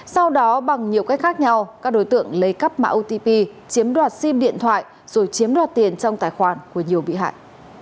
sau đó bằng nhiều cách khác nhau các đối tượng lấy cắp mã otp chiếm đoạt sim điện thoại rồi chiếm đoạt tiền trong tài khoản của nhiều bị hại